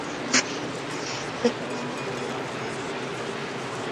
চট্টগ্রাম নগরের বিভিন্ন school, college, বিশ্ববিদ্যালয় ছাড়াও পরিবারে সরস্বতী পূজা করেন ভক্তরা।